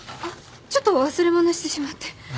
ちょっと忘れ物してしまって。